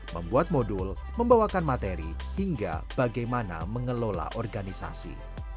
membuat modul membawakan materi hingga bagaimana mengelola organisasi